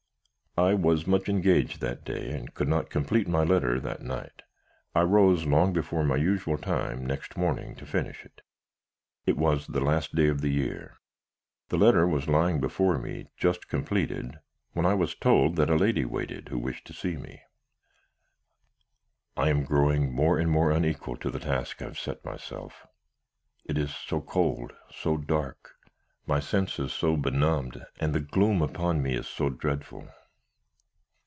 "I was much engaged that day, and could not complete my letter that night. I rose long before my usual time next morning to finish it. It was the last day of the year. The letter was lying before me just completed when I was told that a lady waited, who wished to see me. "I am growing more and more unequal to the task I have set myself. It is so cold, so dark, my senses are so benumbed, and the gloom upon me is so dreadful.